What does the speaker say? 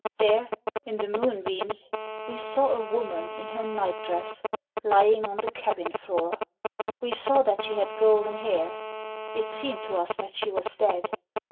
There, in the moonbeams, we saw a woman in her nightdress, lying on the cabin floor. We saw that she had golden hair. It seemed to us that she was dead.